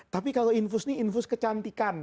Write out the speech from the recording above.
tapi kalau infus ini infus kecantikan